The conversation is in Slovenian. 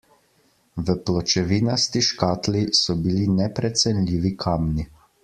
V pločevinasti škatli so bili neprecenljivi kamni.